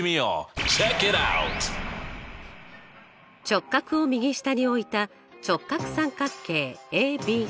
直角を右下に置いた直角三角形ＡＢＣ。